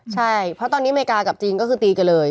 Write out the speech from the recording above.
ใช่เพราะตอนนี้อเมริกากับจีนก็คือตีกันเลย